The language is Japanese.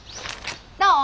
どう？